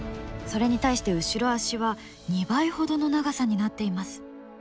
それに対して後ろ足は２倍ほどの長さになっています。